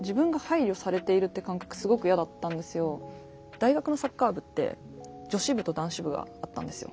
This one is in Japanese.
大学のサッカー部って女子部と男子部があったんですよ。